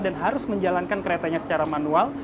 dan harus menjalankan keretanya secara manual